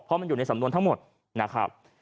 เพราะมันอยู่ในสำนวนทั้งหมดนะครับ